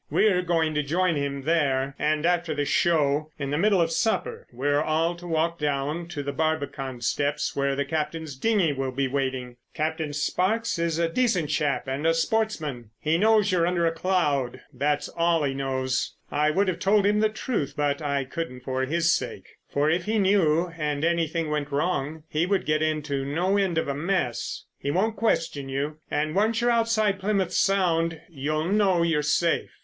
We're going to join him there, and after the show, in the middle of supper, we're all to walk down to the Barbican Steps, where the captain's dinghy will be waiting.... Captain Sparkes is a decent chap, and a sportsman. He knows you're under a cloud, that's all he knows. I would have told him the truth, but I couldn't, for his sake; for if he knew and anything went wrong he would get into no end of a mess. He won't question you. And once you're outside Plymouth Sound you'll know you're safe."